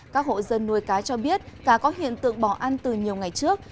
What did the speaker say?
các hộ dân nuôi cá cho biết cá có hiện tượng bỏ ăn từ nhiều ngày trước